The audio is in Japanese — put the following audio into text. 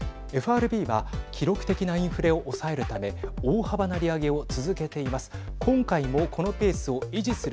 ＦＲＢは記録的なインフレを抑えるため大幅な利上げを続けています。